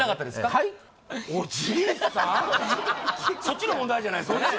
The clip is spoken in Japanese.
そっちが問題じゃないですかね